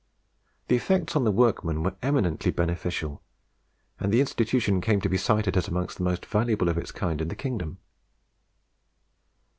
The effects on the workmen were eminently beneficial, and the institution came to be cited as among the most valuable of its kind in the kingdom.